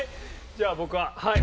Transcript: じゃあ僕ははい。